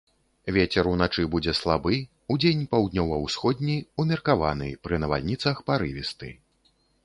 Вецер уначы будзе слабы, удзень паўднёва-ўсходні, умеркаваны, пры навальніцах парывісты.